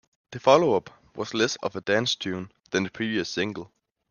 The follow-up was less of a dance tune than the previous single.